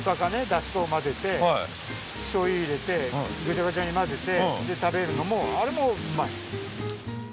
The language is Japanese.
だし粉を混ぜてしょうゆ入れてグチャグチャに混ぜて食べるのもあれもうまい。